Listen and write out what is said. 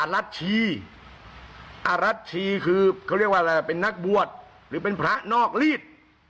รัชชีอรัชชีคือเขาเรียกว่าอะไรเป็นนักบวชหรือเป็นพระนอกรีด